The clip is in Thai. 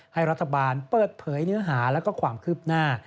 ให้รัฐบาลเปิดเผยเนื้อหาแล้วก็ความคืบหน้า